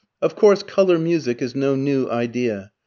Of course colour music is no new idea.